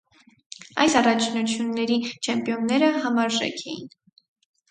Այս առաջնությունների չեմպիոնները համարժեք էին։